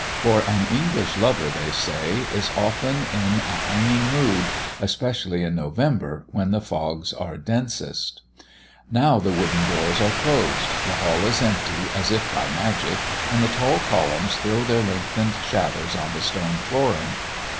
For an English lover, they say, is often in a hanging mood, especially in November, when the fogs are densest. Now the wooden doors are closed; the hall is empty as if by magic, and the tall columns throw their lengthened shadows on the stone flooring.